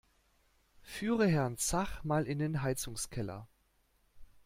Führe Herrn Zach mal in den Heizungskeller!